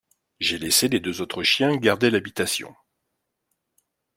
J’ai laissé les deux autres chiens garder l’habitation.